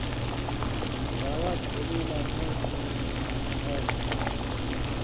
ساوات دلیلاں نؤں تُھو اِستِصحاب